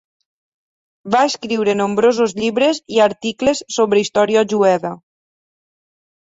Va escriure nombrosos llibres i articles sobre història jueva.